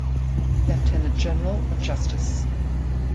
Lieutenant General of Justice.